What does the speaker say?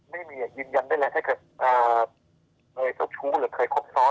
ไม่มีเนี่ยยืนยันได้เลยถ้าเกิดเนยสดชูหรือเคยคบซ้อน